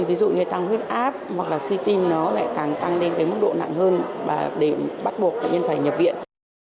ví dụ như tăng huyết áp hoặc suy tim nó lại càng tăng đến mức độ nặng hơn để bắt buộc bệnh nhân phải nhập viện